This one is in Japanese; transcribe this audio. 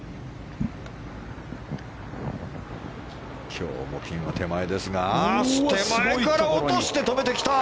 今日もピンの手前ですが手前から落として止めてきた！